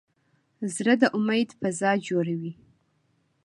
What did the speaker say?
زړه د امید فضا جوړوي.